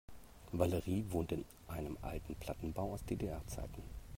Valerie wohnt in einem alten Plattenbau aus DDR-Zeiten.